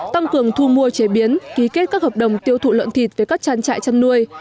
tăng cường thu mua chế biến ký kết các hợp đồng tiêu thụ lợn thịt với các trang trại chăn nuôi